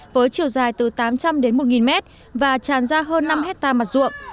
với chiều dài từ tám trăm linh đến một mét và tràn ra hơn năm hectare mặt ruộng